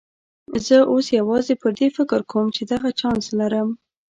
زه اوس یوازې پر دې فکر کوم چې دغه چانس لرم.